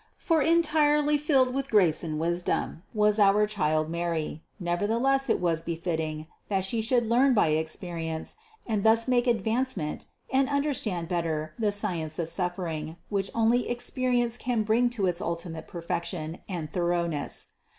For entirely filled with grace and wisdom was our Child Mary ; nevertheless it was befitting, that She should learn by experience and thus make advancement and under stand better the science of suffering, which only expe rience can bring to its ultimate perfection and thorough ness.